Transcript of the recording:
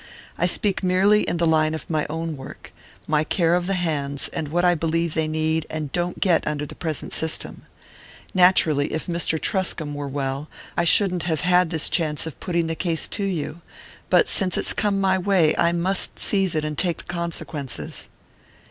I speak merely in the line of my own work my care of the hands, and what I believe they need and don't get under the present system. Naturally, if Mr. Truscomb were well, I shouldn't have had this chance of putting the case to you; but since it's come my way, I must seize it and take the consequences."